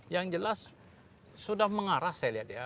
yang jelas sudah mengarah saya lihat ya